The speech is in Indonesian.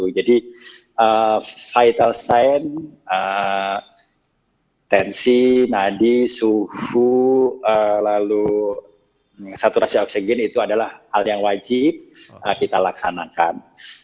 side al sign tensi nadi suhu lalu saturasi oksigen itu adalah hal yang wajib kita laksanakan